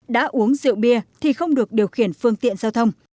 đã uống rượu bia thì không được điều khiển phương tiện giao thông